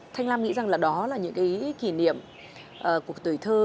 thanh lam nghĩ rằng là đó là những cái kỷ niệm của tuổi thơ